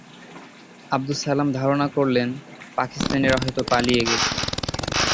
আবদুস সালাম ধারণা করলেন, পাকিস্তানিরা হয়তো পালিয়ে গেছে।